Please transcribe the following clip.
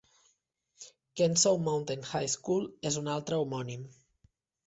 Kennesaw Mountain High School és un altre homònim.